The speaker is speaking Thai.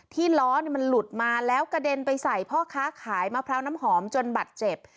ล้อมันหลุดมาแล้วกระเด็นไปใส่พ่อค้าขายมะพร้าวน้ำหอมจนบัตรเจ็บ